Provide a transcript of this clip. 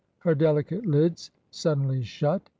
Her delicate lids suddenly shut.